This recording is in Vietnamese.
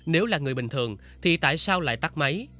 nếu là người bình thường thì tại sao lại tắt mấy